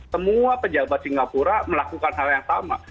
semua pejabat singapura melakukan hal yang sama